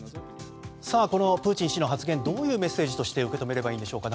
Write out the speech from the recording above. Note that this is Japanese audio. このプーチン氏の発言どういうメッセージとして受け止めればいいんでしょうか。